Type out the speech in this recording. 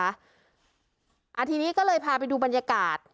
อาทิตย์ก็เลยพาไปดูบรรยากาศ